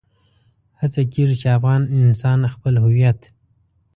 هڅه کېږي چې افغان انسان خپل هويت.